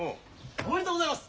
おめでとうございます。